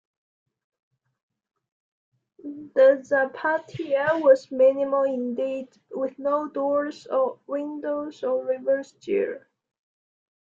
The Zapatilla was minimal indeed, with no doors or windows or reverse gear.